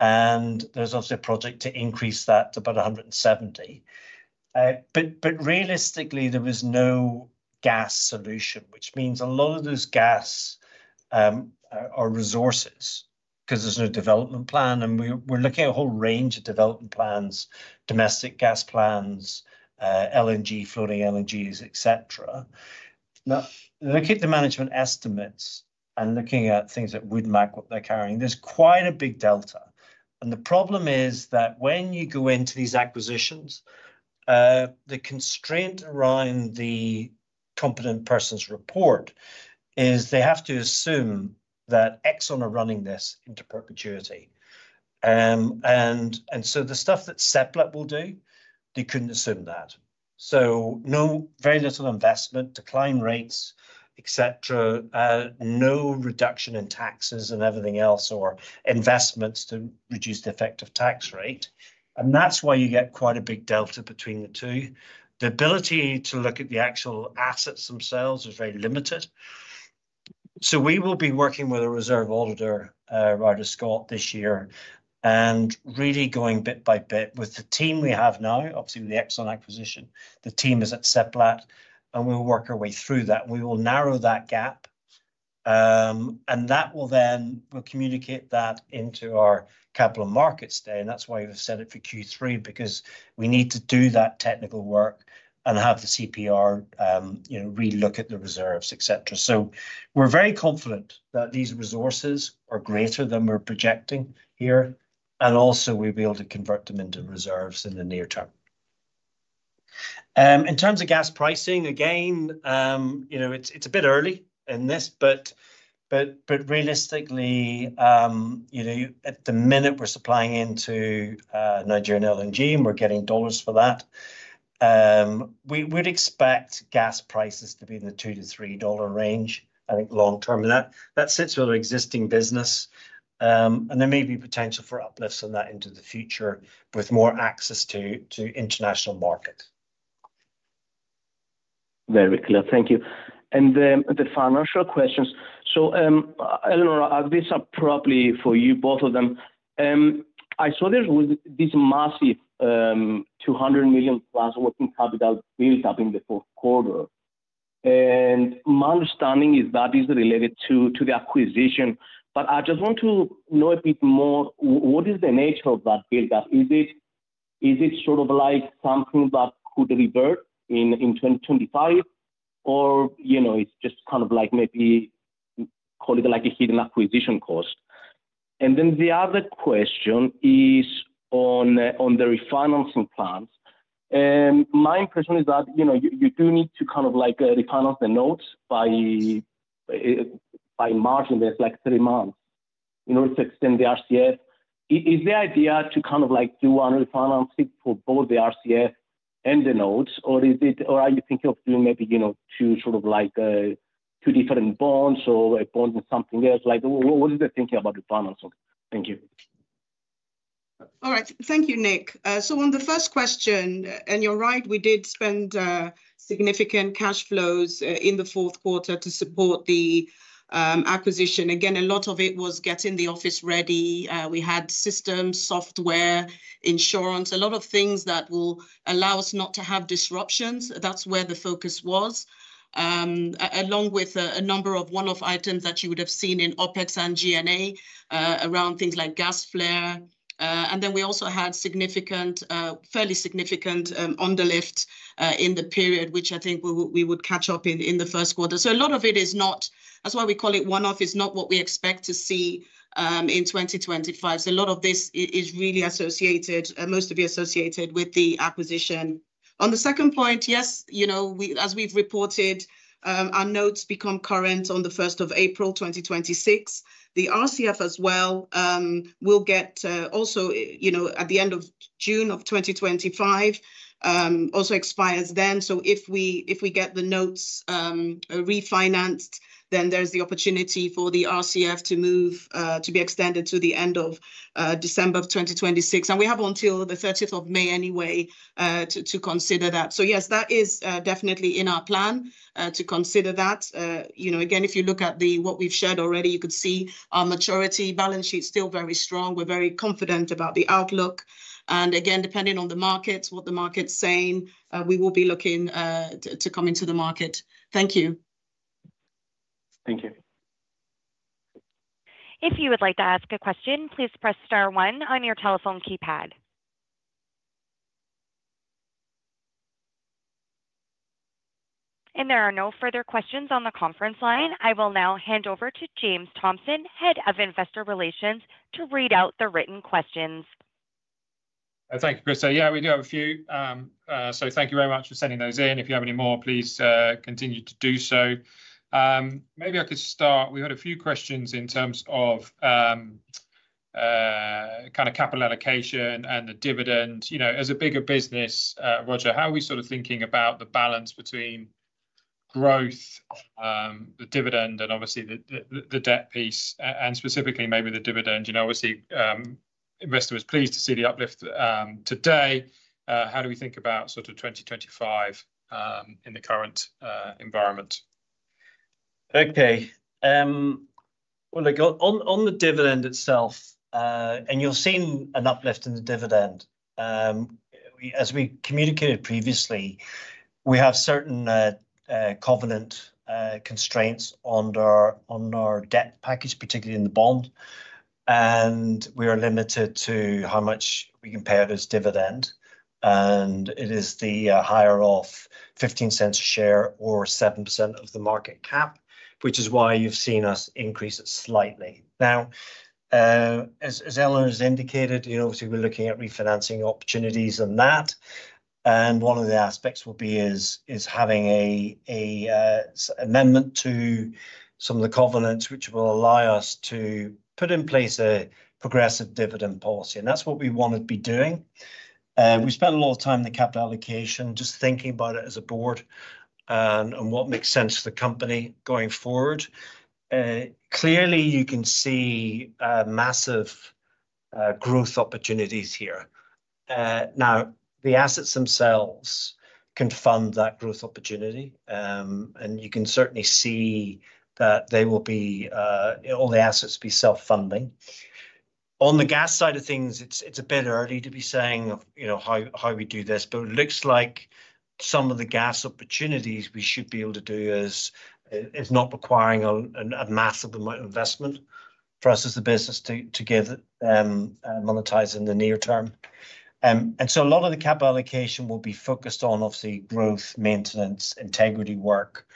There's obviously a project to increase that to about 170. Realistically, there was no gas solution, which means a lot of those gas are resources because there's no development plan. We're looking at a whole range of development plans, domestic gas plans, LNG, floating LNGs, etc. Now, looking at the management estimates and looking at things that would map what they're carrying, there's quite a big delta. The problem is that when you go into these acquisitions, the constraint around the competent person's report is they have to assume that Exxon are running this into perpetuity. The stuff that Seplat will do, they couldn't assume that. Very little investment, decline rates, etc., no reduction in taxes and everything else or investments to reduce the effective tax rate. That is why you get quite a big delta between the two. The ability to look at the actual assets themselves is very limited. We will be working with a reserve auditor, Ryder Scott, this year and really going bit by bit with the team we have now, obviously with the Exxon acquisition. The team is at Seplat, and we will work our way through that. We will narrow that gap, and that will then communicate that into our capital markets day. That is why we have set it for Q3, because we need to do that technical work and have the CPR relook at the reserves, etc. We are very confident that these resources are greater than we are projecting here, and also we will be able to convert them into reserves in the near term. In terms of gas pricing, again, it is a bit early in this, but realistically, at the minute we are supplying into Nigerian LNG and we are getting dollars for that, we would expect gas prices to be in the $2-$3 range, I think, long term. That sits with our existing business, and there may be potential for uplifts on that into the future with more access to international markets. Very clear. Thank you. The financial questions. Eleanor, these are probably for you, both of them. I saw there was this massive $200 million plus working capital built up in the fourth quarter. My understanding is that is related to the acquisition. I just want to know a bit more, what is the nature of that buildup? Is it sort of like something that could revert in 2025, or it's just kind of like maybe call it like a hidden acquisition cost? The other question is on the refinancing plans. My impression is that you do need to kind of refinance the notes by March and there's like three months in order to extend the RCF. Is the idea to kind of do one refinancing for both the RCF and the notes, or are you thinking of doing maybe two sort of like two different bonds or a bond and something else? What is the thinking about refinancing? Thank you. All right. Thank you, Nick. On the first question, and you're right, we did spend significant cash flows in the fourth quarter to support the acquisition. Again, a lot of it was getting the office ready. We had systems, software, insurance, a lot of things that will allow us not to have disruptions. That's where the focus was, along with a number of one-off items that you would have seen in OPEX and G&A around things like gas flare. We also had fairly significant underlift in the period, which I think we would catch up in the first quarter. A lot of it is not, that's why we call it one-off, is not what we expect to see in 2025. A lot of this is really associated, most of it associated with the acquisition. On the second point, yes, as we've reported, our notes become current on the 1st of April 2026. The RCF as well will get also at the end of June of 2025, also expires then. If we get the notes refinanced, then there's the opportunity for the RCF to be extended to the end of December of 2026. We have until the 30th of May anyway to consider that. Yes, that is definitely in our plan to consider that. Again, if you look at what we've shared already, you could see our maturity balance sheet is still very strong. We're very confident about the outlook. Again, depending on the markets, what the market's saying, we will be looking to come into the market. Thank you. Thank you. If you would like to ask a question, please press *1 on your telephone keypad. There are no further questions on the conference line. I will now hand over to James Thompson, Head of Investor Relations, to read out the written questions. Thank you, Krista. Yeah, we do have a few. Thank you very much for sending those in. If you have any more, please continue to do so. Maybe I could start. We had a few questions in terms of kind of capital allocation and the dividend. As a bigger business, Roger, how are we sort of thinking about the balance between growth, the dividend, and obviously the debt piece, and specifically maybe the dividend? Obviously, investor was pleased to see the uplift today. How do we think about sort of 2025 in the current environment? Okay. On the dividend itself, and you're seeing an uplift in the dividend. As we communicated previously, we have certain covenant constraints on our debt package, particularly in the bond. We are limited to how much we can pay out as dividend. It is the higher of $0.15 a share or 7% of the market cap, which is why you've seen us increase it slightly. As Eleanor has indicated, obviously, we're looking at refinancing opportunities and that. One of the aspects will be having an amendment to some of the covenants, which will allow us to put in place a progressive dividend policy. That's what we want to be doing. We spent a lot of time in the capital allocation, just thinking about it as a board and what makes sense for the company going forward. Clearly, you can see massive growth opportunities here. Now, the assets themselves can fund that growth opportunity. You can certainly see that they will be, all the assets will be self-funding. On the gas side of things, it's a bit early to be saying how we do this. It looks like some of the gas opportunities we should be able to do is not requiring a massive amount of investment for us as a business to monetize in the near term. A lot of the capital allocation will be focused on, obviously, growth, maintenance, integrity work,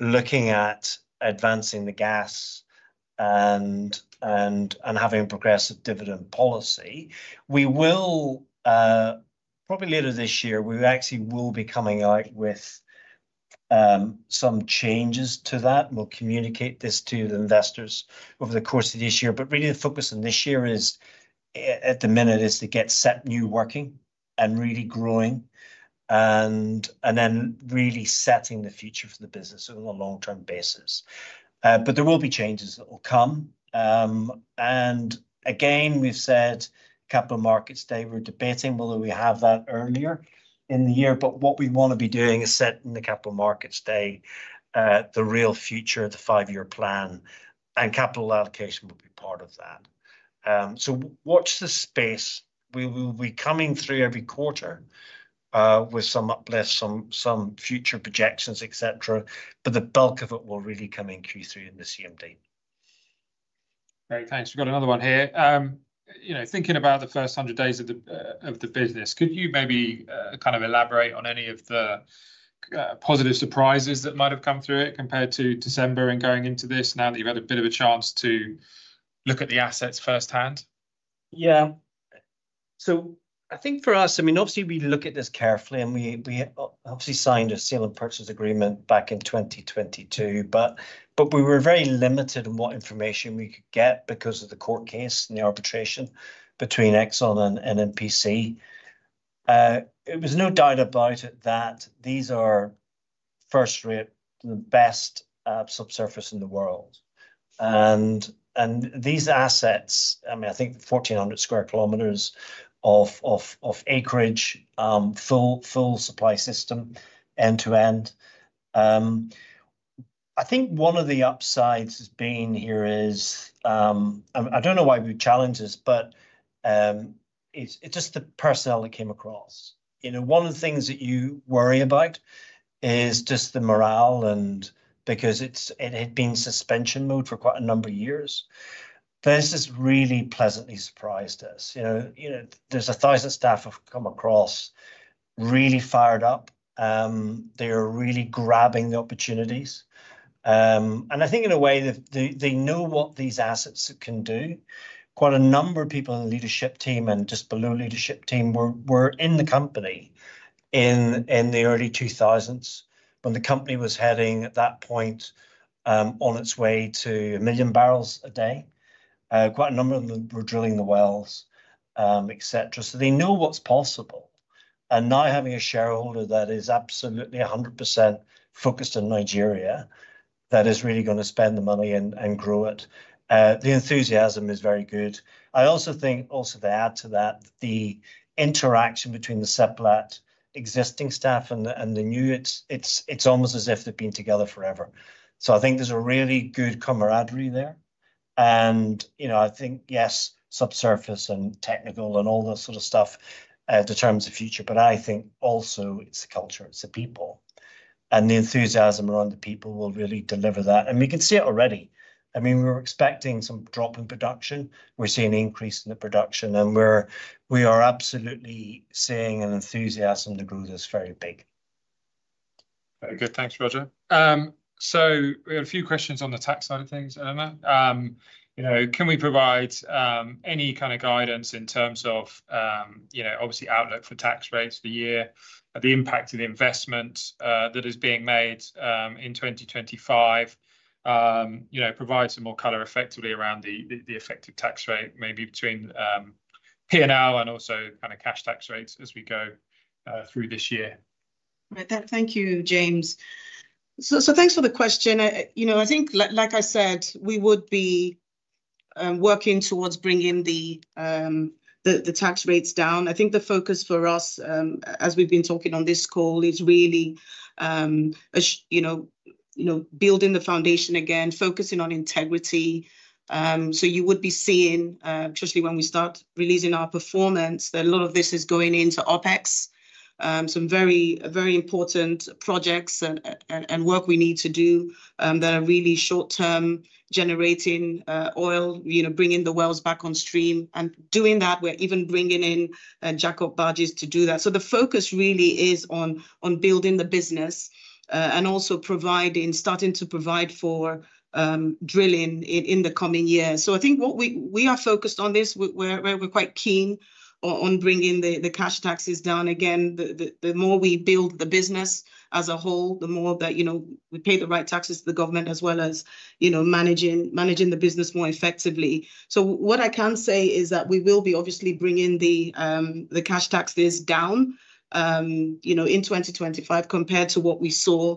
looking at advancing the gas and having a progressive dividend policy. We will, probably later this year, we actually will be coming out with some changes to that. We'll communicate this to the investors over the course of this year. Really, the focus in this year is, at the minute, to get SEPNU working and really growing and then really setting the future for the business on a long-term basis. There will be changes that will come. Again, we've said capital markets day, we're debating whether we have that earlier in the year. What we want to be doing is setting the capital markets day, the real future, the five-year plan, and capital allocation will be part of that. Watch the space. We'll be coming through every quarter with some uplift, some future projections, etc. The bulk of it will really come in Q3 in the CMD. Great. Thanks. We've got another one here. Thinking about the first 100 days of the business, could you maybe kind of elaborate on any of the positive surprises that might have come through it compared to December and going into this now that you've had a bit of a chance to look at the assets firsthand? Yeah. I think for us, I mean, obviously, we look at this carefully. We obviously signed a sale and purchase agreement back in 2022. We were very limited in what information we could get because of the court case and the arbitration between ExxonMobil and NNPC. There was no doubt about it that these are first-rate, the best subsurface in the world. These assets, I mean, I think 1,400 sq km of acreage, full supply system end-to-end. I think one of the upsides being here is, I don't know why we have challenges, but it's just the personnel that came across. One of the things that you worry about is just the morale because it had been suspension mode for quite a number of years. This has really pleasantly surprised us. There's a thousand staff I've come across really fired up. They are really grabbing opportunities. I think in a way, they know what these assets can do. Quite a number of people in the leadership team and just below leadership team were in the company in the early 2000s when the company was heading at that point on its way to a million barrels a day. Quite a number of them were drilling the wells, etc. They know what's possible. Now having a shareholder that is absolutely 100% focused on Nigeria that is really going to spend the money and grow it, the enthusiasm is very good. I also think, also to add to that, the interaction between the Seplat existing staff and the new, it's almost as if they've been together forever. I think there's a really good camaraderie there. I think, yes, subsurface and technical and all that sort of stuff determines the future. I think also it's the culture, it's the people. The enthusiasm around the people will really deliver that. We can see it already. I mean, we were expecting some drop in production. We're seeing an increase in the production. We are absolutely seeing an enthusiasm to grow this very big. Very good. Thanks, Roger. We have a few questions on the tax side of things, Eleanor. Can we provide any kind of guidance in terms of, obviously, outlook for tax rates for the year, the impact of the investment that is being made in 2025, provide some more color effectively around the effective tax rate maybe between P&L and also kind of cash tax rates as we go through this year? Thank you, James. Thanks for the question. I think, like I said, we would be working towards bringing the tax rates down. I think the focus for us, as we've been talking on this call, is really building the foundation again, focusing on integrity. You would be seeing, especially when we start releasing our performance, that a lot of this is going into OpEx, some very important projects and work we need to do that are really short-term generating oil, bringing the wells back on stream. We are even bringing in Jacob badges to do that. The focus really is on building the business and also starting to provide for drilling in the coming years. I think we are focused on this. We are quite keen on bringing the cash taxes down. Again, the more we build the business as a whole, the more that we pay the right taxes to the government as well as managing the business more effectively. What I can say is that we will be obviously bringing the cash taxes down in 2025 compared to what we saw,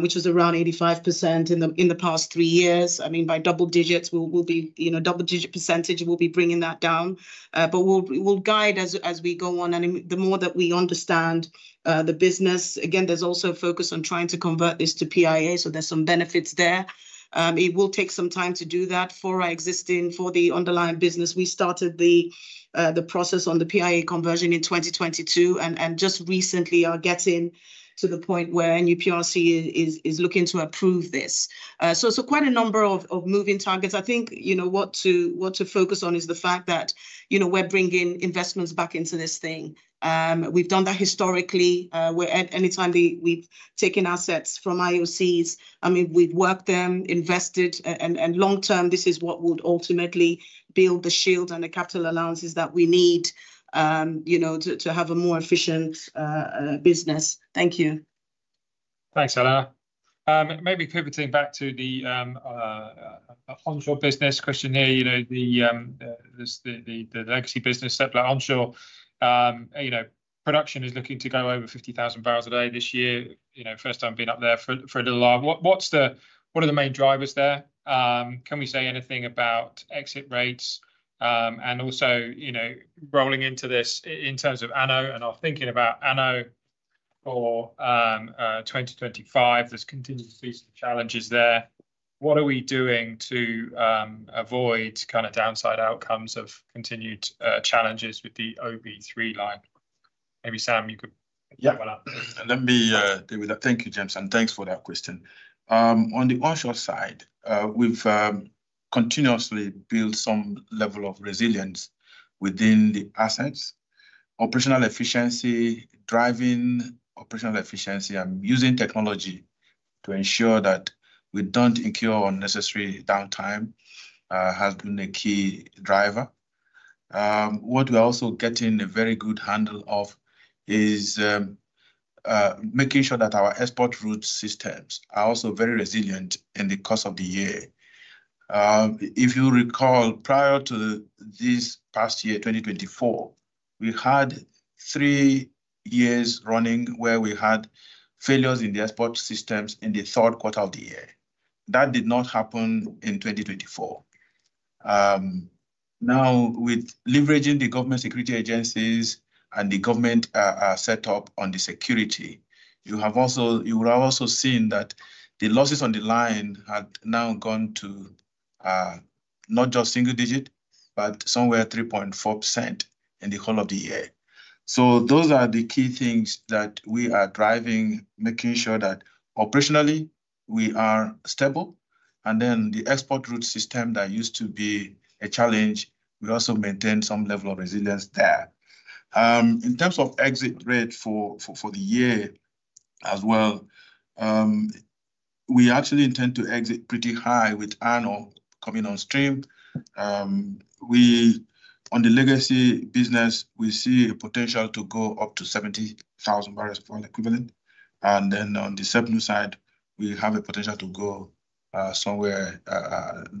which was around 85% in the past three years. I mean, by double digits, we will be double-digit percentage. We will be bringing that down. We will guide as we go on. The more that we understand the business, again, there's also a focus on trying to convert this to PIA. There are some benefits there. It will take some time to do that for our existing, for the underlying business. We started the process on the PIA conversion in 2022. Just recently, we are getting to the point where NUPRC is looking to approve this. There are quite a number of moving targets. I think what to focus on is the fact that we're bringing investments back into this thing. We've done that historically. Anytime we've taken assets from IOCs, I mean, we've worked them, invested. Long-term, this is what would ultimately build the shield and the capital allowances that we need to have a more efficient business. Thank you. Thanks, Eleanor. Maybe pivoting back to the onshore business question here, the legacy business, Seplat onshore production is looking to go over 50,000 barrels a day this year. First time being up there for a little while. What are the main drivers there? Can we say anything about exit rates? Also rolling into this in terms of ANOH and our thinking about ANOH for 2025, there's continuously some challenges there. What are we doing to avoid kind of downside outcomes of continued challenges with the OB3 line? Maybe Sam, you could pick that one up. Yeah. Let me deal with that. Thank you, James. Thanks for that question. On the onshore side, we've continuously built some level of resilience within the assets. Operational efficiency, driving operational efficiency, and using technology to ensure that we don't incur unnecessary downtime has been a key driver. What we're also getting a very good handle of is making sure that our export route systems are also very resilient in the course of the year. If you recall, prior to this past year, 2024, we had three years running where we had failures in the export systems in the third quarter of the year. That did not happen in 2024. Now, with leveraging the government security agencies and the government set up on the security, you will have also seen that the losses on the line had now gone to not just single digit, but somewhere 3.4% in the whole of the year. Those are the key things that we are driving, making sure that operationally we are stable. The export route system that used to be a challenge, we also maintain some level of resilience there. In terms of exit rate for the year as well, we actually intend to exit pretty high with ANOH coming on stream. On the legacy business, we see a potential to go up to 70,000 barrels for an equivalent. And then on the SEPNU side, we have a potential to go somewhere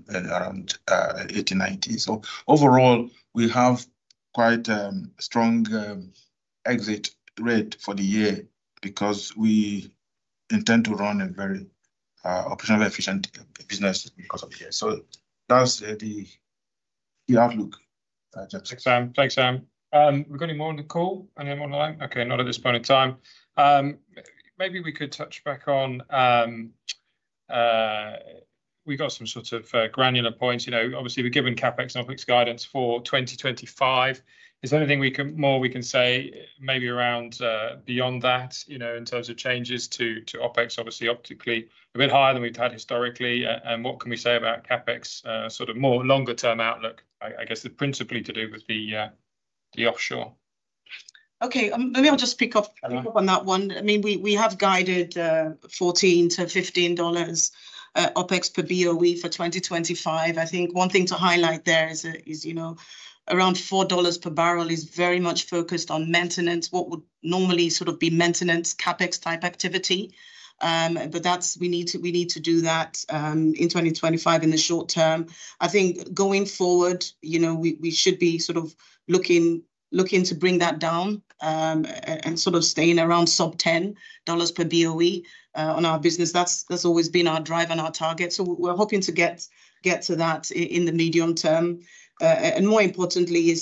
around 80, 90. So overall, we have quite a strong exit rate for the year because we intend to run a very operationally efficient business because of the year. That's the key outlook. Thanks, Sam. Thanks, Sam. We've got any more on the call? Anyone on the line? Okay, not at this point in time. Maybe we could touch back on we got some sort of granular points. Obviously, we're given CapEx and OpEx guidance for 2025. Is there anything more we can say maybe around beyond that in terms of changes to OpEx, obviously, optically a bit higher than we've had historically? What can we say about CapEx, sort of more longer-term outlook, I guess, that's principally to do with the offshore? Okay. Maybe I'll just pick up on that one. I mean, we have guided $14-$15 OpEx per BOE for 2025. I think one thing to highlight there is around $4 per barrel is very much focused on maintenance, what would normally sort of be maintenance CapEx type activity. We need to do that in 2025 in the short term. I think going forward, we should be sort of looking to bring that down and sort of staying around sub-$10 per BOE on our business. That's always been our drive and our target. We're hoping to get to that in the medium term. More importantly,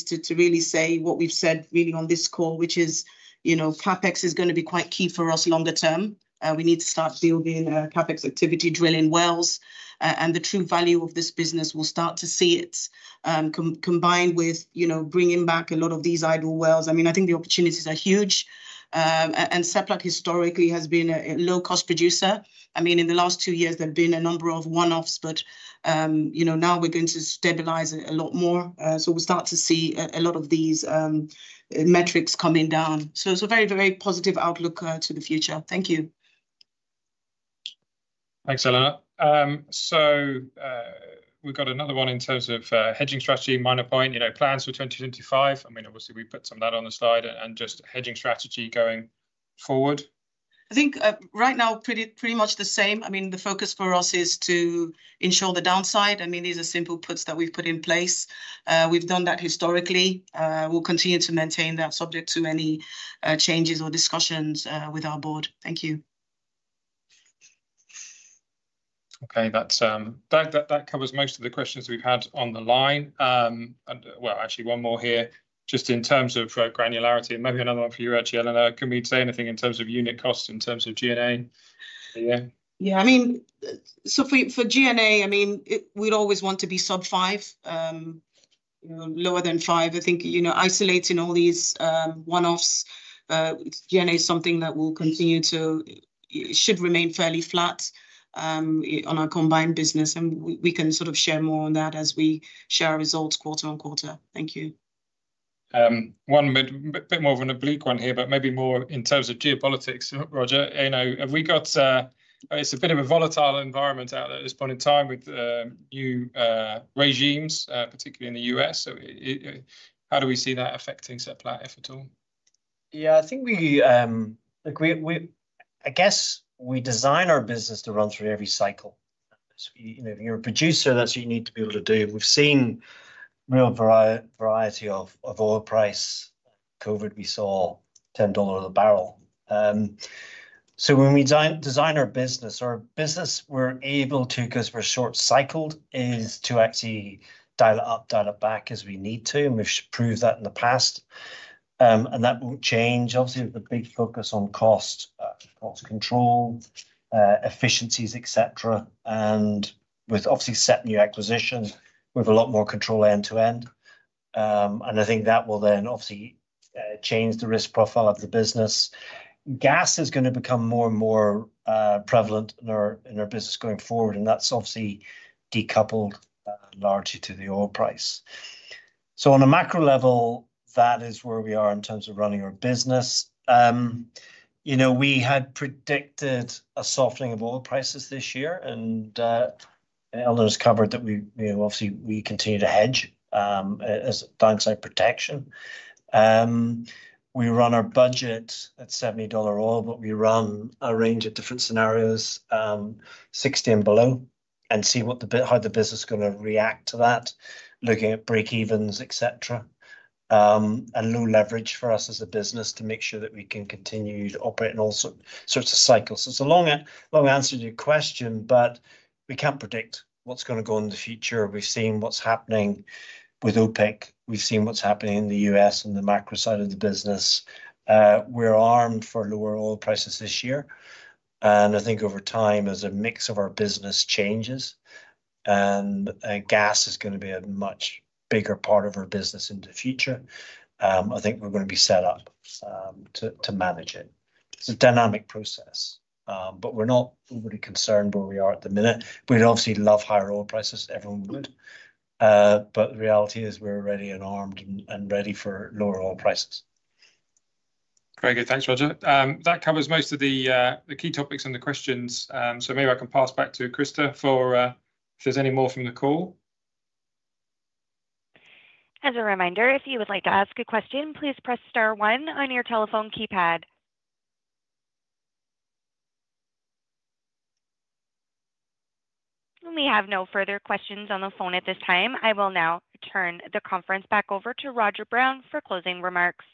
what we've said on this call is CapEx is going to be quite key for us longer term. We need to start building CapEx activity, drilling wells. The true value of this business, we'll start to see it combined with bringing back a lot of these idle wells. I think the opportunities are huge. Seplat historically has been a low-cost producer. In the last two years, there have been a number of one-offs, but now we're going to stabilize it a lot more. We'll start to see a lot of these metrics coming down. It is a very, very positive outlook to the future. Thank you. Thanks, Eleanor. We've got another one in terms of hedging strategy, minor point, plans for 2025. I mean, obviously, we put some of that on the slide and just hedging strategy going forward. I think right now, pretty much the same. I mean, the focus for us is to ensure the downside. I mean, these are simple puts that we've put in place. We've done that historically. We'll continue to maintain that subject to any changes or discussions with our board. Thank you. Okay. That covers most of the questions we've had on the line. Actually, one more here, just in terms of granularity. Maybe another one for you actually, Eleanor. Can we say anything in terms of unit cost, in terms of G&A? Yeah. Yeah. I mean, so for G&A, I mean, we'd always want to be sub-5, lower than 5. I think isolating all these one-offs, G&A is something that we'll continue to should remain fairly flat on our combined business. We can sort of share more on that as we share our results quarter-on-quarter. Thank you. One bit more of an oblique one here, but maybe more in terms of geopolitics, Roger. Have we got, it's a bit of a volatile environment out there at this point in time with new regimes, particularly in the U.S. How do we see that affecting Seplat, if at all? Yeah. I think we agree. I guess we design our business to run through every cycle. If you're a producer, that's what you need to be able to do. We've seen real variety of oil price. COVID, we saw $10 a barrel. When we design our business, our business, we're able to, because we're short-cycled, actually dial it up, dial it back as we need to. We've proved that in the past. That won't change. Obviously, with the big focus on cost, cost control, efficiencies, etc., and with obviously SEPNU acquisitions, we have a lot more control end-to-end. I think that will then obviously change the risk profile of the business. Gas is going to become more and more prevalent in our business going forward. That is obviously decoupled largely to the oil price. On a macro level, that is where we are in terms of running our business. We had predicted a softening of oil prices this year. Eleanor's covered that we obviously continue to hedge as a downside protection. We run our budget at $70 oil, but we run a range of different scenarios, 60 and below, and see how the business is going to react to that, looking at breakevens, etc., and low leverage for us as a business to make sure that we can continue to operate in all sorts of cycles. It is a long answer to your question, but we can't predict what's going to go in the future. We've seen what's happening with OPEC. We've seen what's happening in the U.S. on the macro side of the business. We're armed for lower oil prices this year. I think over time, as a mix of our business changes and gas is going to be a much bigger part of our business in the future, I think we're going to be set up to manage it. It's a dynamic process. But we're not overly concerned where we are at the minute. We'd obviously love higher oil prices. Everyone would. The reality is we're already armed and ready for lower oil prices. Very good. Thanks, Roger. That covers most of the key topics and the questions. Maybe I can pass back to Krista if there's any more from the call. As a reminder, if you would like to ask a question, please press *1 on your telephone keypad. We have no further questions on the phone at this time. I will now turn the conference back over to Roger Brown for closing remarks.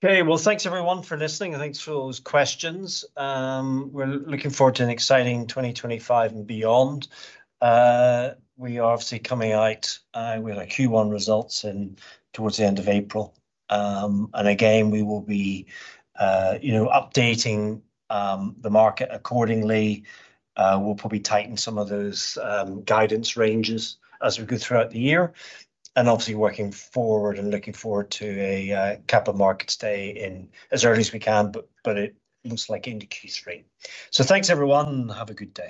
Thanks, everyone, for listening. Thanks for those questions. We're looking forward to an exciting 2025 and beyond. We are obviously coming out with our Q1 results towards the end of April. Again, we will be updating the market accordingly. We'll probably tighten some of those guidance ranges as we go throughout the year. Obviously, working forward and looking forward to a cap of markets day as early as we can, but it looks like indices reading. Thanks, everyone. Have a good day.